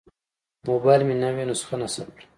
موبایل مې نوې نسخه نصب کړه.